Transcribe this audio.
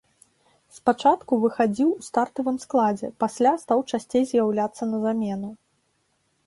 Спачатку выхадзіў у стартавым складзе, пасля стаў часцей з'яўляцца на замену.